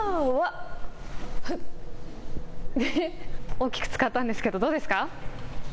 大きく使ったんですけどどうですか。